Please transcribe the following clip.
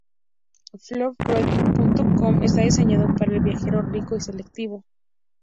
ForbesTraveler.com está diseñado para el viajero rico y selectivo.